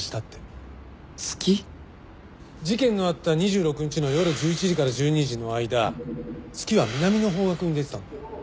事件のあった２６日の夜１１時から１２時の間月は南の方角に出てたんだよ。